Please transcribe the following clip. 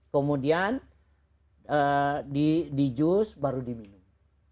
kemudian di jus baru diminum